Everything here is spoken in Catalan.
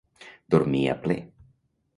Dormir a pler.